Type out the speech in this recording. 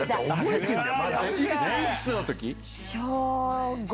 幾つの時？